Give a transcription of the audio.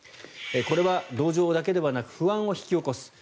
これは同情だけではなく不安を引き起こす